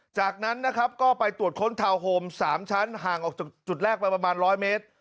จากนั้นนะครับก็ไปตรวจค้นทาวน์โฮม๓ชั้นห่างออกจากจุดแรกไปประมาณ๑๐๐เมตร